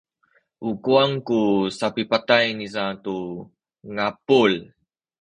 u kuwang ku sapipatay niza tu ngabul.